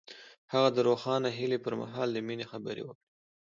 هغه د روښانه هیلې پر مهال د مینې خبرې وکړې.